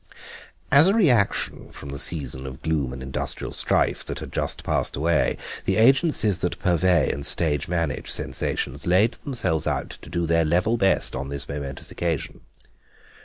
As a reaction from the season of gloom and industrial strife that had just passed away the agencies that purvey and stage manage sensations laid themselves out to do their level best on this momentous occasion.